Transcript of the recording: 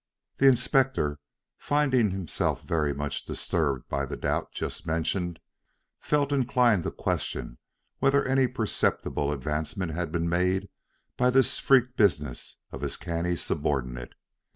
The Inspector, finding himself very much disturbed by the doubt just mentioned, felt inclined to question whether any perceptible advancement had been made by this freak business of his canny subordinate.